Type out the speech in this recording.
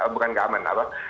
bukan tidak aman